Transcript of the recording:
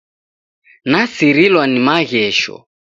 Nasirilwa ni maghesho